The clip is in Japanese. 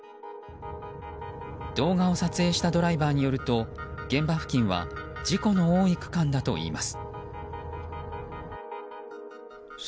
動画を撮影したドライバーによると現場付近は事故の多い区間だといいます。